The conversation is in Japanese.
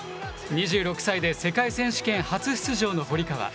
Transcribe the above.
２６歳で世界選手権初出場の堀川。